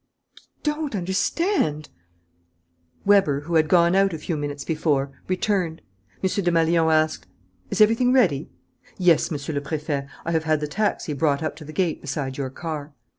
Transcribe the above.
I don't understand " Weber, who had gone out a few minutes before, returned. M. Desmalions asked: "Is everything ready?" "Yes, Monsieur le Préfet, I have had the taxi brought up to the gate beside your car."